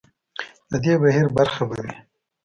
د دې بهیر برخه به وي.